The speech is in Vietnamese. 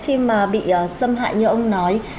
khi mà bị xâm hại như ông nói